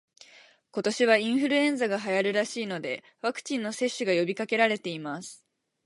今年はインフルエンザが流行るらしいので、ワクチンの接種が呼びかけられています